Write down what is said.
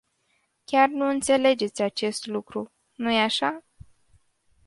Chiar nu înțelegeți acest lucru, nu-i așa?